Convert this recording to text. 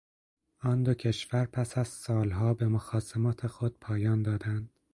آن دو کشور پس از سالها به مخاصمات خود پایان دادند